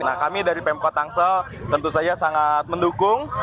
nah kami dari pemkot tangsel tentu saja sangat mendukung